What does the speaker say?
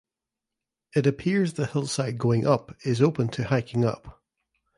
It appears the hillside going up is open to hiking up.